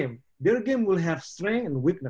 permainannya akan memiliki kekuatan dan kelemahan